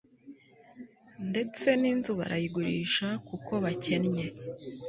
ndetse n'inzu barayigurisha kuko bakennye